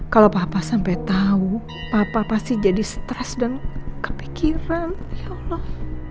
kalau papa sampai tahu papa pasti jadi stres dan kepikiran ya allah